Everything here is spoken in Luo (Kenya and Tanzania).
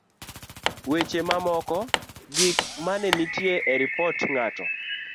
weche mamoko gik manenitie e Ripot Ng'ato